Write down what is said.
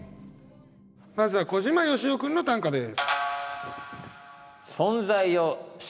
まずは小島よしお君の短歌です。